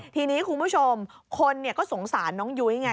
ทีนี้คุณผู้ชมคนก็สงสารน้องยุ้ยไง